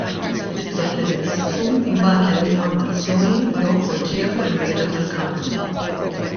Nitlob lill-Ministru jibgħatli l-informazzjoni jew ipoġġiha fuq il-Mejda tal-Kamra.